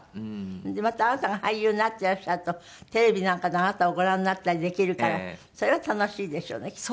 でまたあなたが俳優になってらっしゃるとテレビなんかであなたをご覧になったりできるからそれは楽しいでしょうねきっとね。